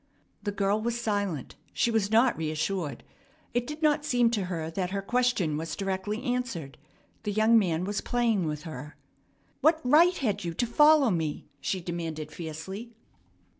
The girl was silent. She was not reassured. It did not seem to her that her question was directly answered. The young man was playing with her. "What right had you to follow me?" she demanded fiercely.